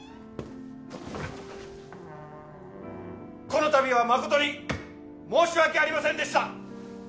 ・このたびは誠に申し訳ありませんでした！